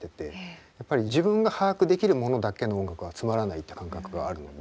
やっぱり自分が把握できるものだけの音楽はつまらないって感覚があるので。